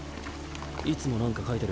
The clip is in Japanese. いつもなんかかいてる。